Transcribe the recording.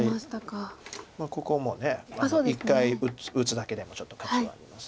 ここも１回打つだけでもちょっと価値はあります。